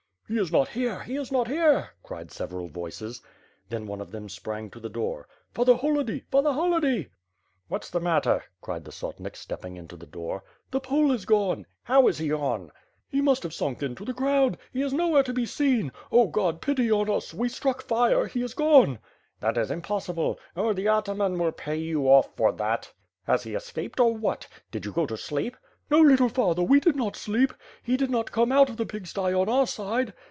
"He is not here, he is not here," cried several voices. Then one of them sprang to the door. "Father Holody! Father Holody!" WITH FIRE AND SWORD. ^g^ "What's the matter?" cried the sotnik stepping into the door. . "The Pole has gone.'' "How! is he gone?" "He must have sunk into the ground. He is nowhere to be seen. Oh, God pity on us! We struck fire. He is gone." "That is impossible! Oh, the ataman will pay you off for that. Has he escaped, or what? Did you go to sleep?" "No, little father, we did not sleep. He did not come out of the pig sty on our side."